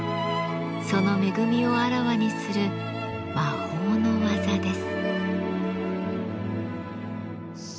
その恵みをあらわにする魔法の技です。